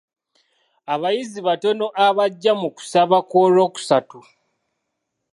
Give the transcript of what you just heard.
Abayizi batono abajja mu kusaba kw'olwokusatu.